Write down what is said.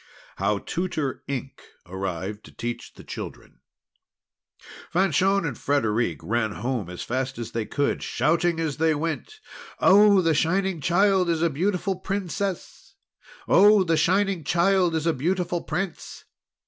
HOW TUTOR INK ARRIVED TO TEACH THE CHILDREN Fanchon and Frederic ran home as fast as they could, shouting as they went: "Oh! the Shining Child is a beautiful Princess!" "Oh! the Shining Child is a beautiful Prince!"